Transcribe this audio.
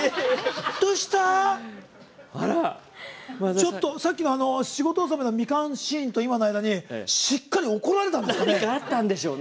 ちょっと、さっきの仕事納めのみかんシーンと今の間にしっかり、怒られたんですかね。